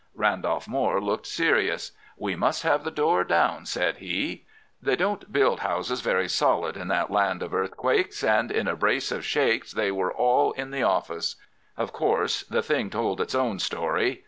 "Randolph Moore looked serious. 'We must have the door down,' said he. "They don't build houses very solid in that land of earthquakes, and in a brace of shakes they were all in the office. Of course the thing told its own story.